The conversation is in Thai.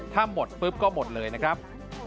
ถ้าหมดปุ๊บก็หมดเลยนะครับ